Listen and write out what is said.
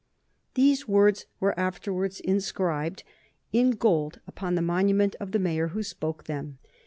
Those words were afterwards inscribed in gold upon the monument of the mayor who spoke them.